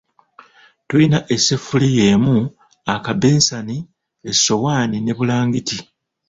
Tuyina essefuliya emu akabensani, essowaani ne bulangiti.